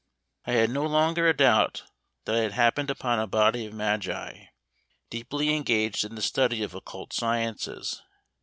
I had no longer a doubt that I had happened upon a body of magi, deeply engaged in the study of occult sciences.